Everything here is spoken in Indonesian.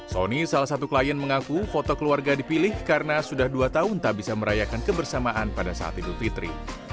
sony salah satu klien mengaku foto keluarga dipilih karena sudah dua tahun tak bisa merayakan kebersamaan pada saat idul fitri